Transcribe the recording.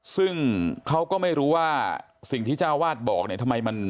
ซึ่งเขาก็ไม่รู้ว่าสิ่งที่เจ้าวาดบอกเนี่ยทำไมมัน